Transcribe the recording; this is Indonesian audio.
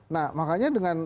nah makanya dengan